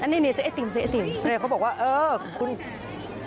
เด็กเขาบอกว่าแซวคุณพ่อ